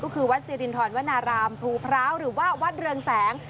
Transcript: ก็คือวัดสิรินทรวนารามภูพร้าวหรือว่าวัดเรืองแสง